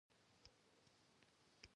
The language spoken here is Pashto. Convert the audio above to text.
د کاناډا اقتصاد باثباته دی.